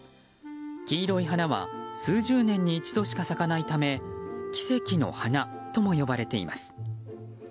黄色い花は数十年に一度しか咲かないため奇跡の花とも呼ばれています。